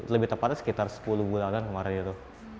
lebih tepatnya sekitar sepuluh bulanan kemarin itu